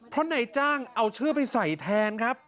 เพราะนายจ้างเอาชื่อไปใส่แทนครับ